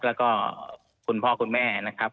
แล้วก็คุณพ่อคุณแม่นะครับ